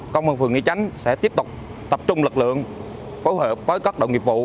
công an phường nghị chánh sẽ tiếp tục tập trung lực lượng phối hợp với các đội nghiệp vụ